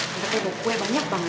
nanti gue bawa kue banyak banget